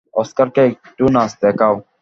অস্কারকে একটু নাচ দেখাও।